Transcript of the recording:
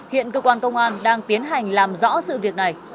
hiện cơ quan công an đang tiến hành làm rõ sự việc này